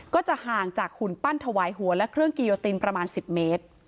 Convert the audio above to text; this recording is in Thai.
ก็จะห่างจากหุ่นปั้นถวายหัวและเครื่องกิโยตินประมาณ๑๐เมตร